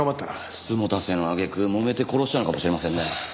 美人局の揚げ句もめて殺したのかもしれませんね。